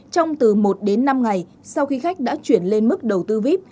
trong từ một đến năm ngày sau khi khách đã chuyển lên mức đầu tư vip